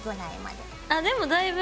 あでもだいぶ。